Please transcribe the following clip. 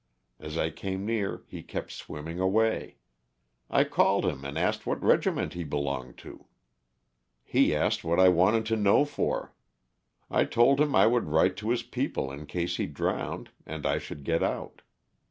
As I came near he kept swim ming away. I called him and asked what regiment he belonged to. He asked what I wanted to know for. I told him I would write to his people in case he drowned and I should get out.